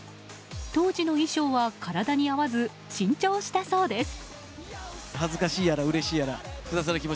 当時の衣装は体に合わず新調したそうです。